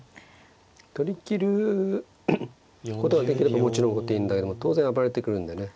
取りきることができればもちろん後手いいんだけども当然暴れてくるんでね。